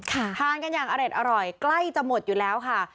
ทานกันอย่างอร่อยใกล้จะหมดอยู่แล้วค่ะ